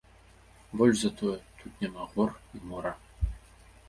Больш за тое, тут няма гор і мора.